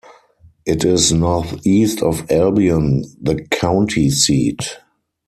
It is northeast of Albion, the county seat.